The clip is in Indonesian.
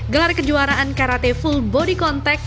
gelar kejuaraan karate full body contact